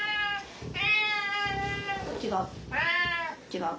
違う。